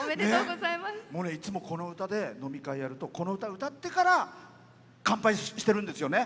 いつも、この歌で飲み会やるとこの歌で乾杯してるんですよね。